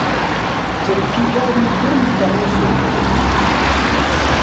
Ttṛekkibeɣ imuturen n tkeṛṛusin.